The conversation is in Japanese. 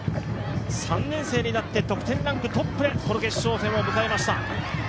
３年生になって、得点ランクトップでこの決勝戦を迎えました。